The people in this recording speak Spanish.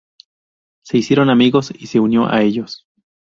Se hicieron amigos y se unió a ellos.